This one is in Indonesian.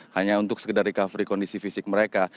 hanya untuk sekedar recovery kondisi fisik mereka